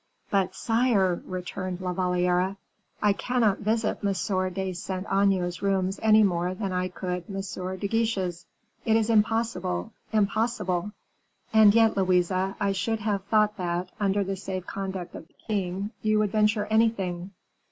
"But, sire," returned La Valliere, "I cannot visit M. de Saint Aignan's rooms any more than I could M. de Guiche's. It is impossible impossible." "And yet, Louise, I should have thought that, under the safe conduct of the king, you would venture anything."